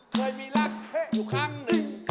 เคยมีรักเละอยู่ครั้งหนึ่ง